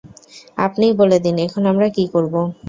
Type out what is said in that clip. আপনিই বলে দিন, এখন আমরা কি করব?